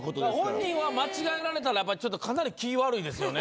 本人は間違えられたらかなり気ぃ悪いですよね。